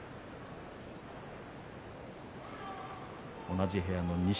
同じ部屋の錦